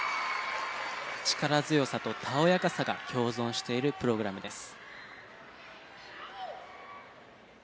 力強さとたおやかさが共存しているプログラムです。